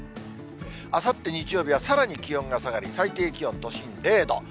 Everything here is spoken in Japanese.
あさって日曜日はさらに気温が下がり、最低気温、都心０度。